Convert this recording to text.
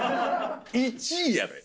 １位やで！